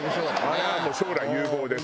あれはもう将来有望ですよ。